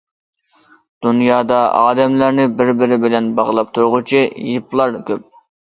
دۇنيادا ئادەملەرنى بىر-بىرى بىلەن باغلاپ تۇرغۇچى يىپلار كۆپ.